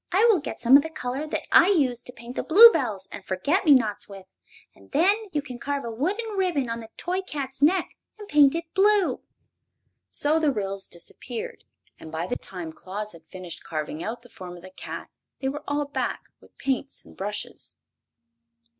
"I will get some of the color that I use to paint the bluebells and forget me nots with, and then you can carve a wooden ribbon on the toy cat's neck and paint it blue." So the Ryls disappeared, and by the time Claus had finished carving out the form of the cat they were all back with the paints and brushes.